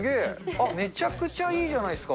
あっ、めちゃくちゃいいじゃないですか。